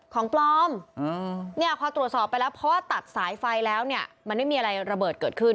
ของปลอมเนี่ยพอตรวจสอบไปแล้วเพราะว่าตัดสายไฟแล้วเนี่ยมันไม่มีอะไรระเบิดเกิดขึ้น